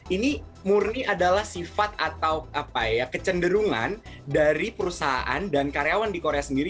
ini murni adalah sifat atau kecenderungan dari perusahaan dan karyawan di korea sendiri